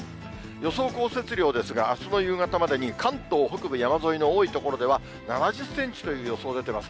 予想降雪量ですが、あすの夕方までに関東北部山沿いの多い所では、７０センチという予想出ています。